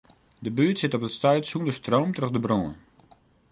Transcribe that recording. De buert sit op dit stuit sûnder stroom troch de brân.